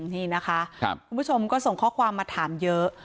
นี่นะคะคุณผู้ชมก็ส่งข้อความมาถามเยอะ